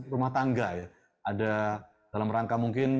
rumah tangga ya ada dalam rangka mungkin